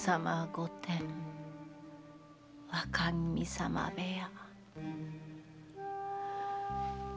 御殿若君様部屋。